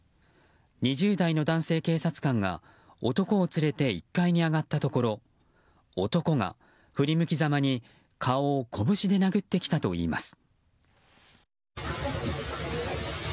２０代の男性警察官が男を連れて１階に上がったところ男が振り向きざまに顔をこぶしで殴ってきたといいます。